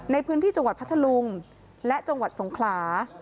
ในพื้นที่จังหวัดพัทธลุงและจังหวัดสงขลา